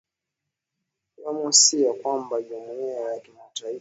lomasia ni kwamba jumuiya ya kimataifa